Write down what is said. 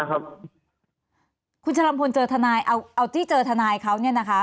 คุณชะลำพลเจอทนายเอาที่เจอทนายเขาเนี่ยนะคะ